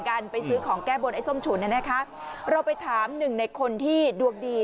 ไปซื้อของแก้บนไอ้ส้มฉุนน่ะนะคะเราไปถามหนึ่งในคนที่ดวงดี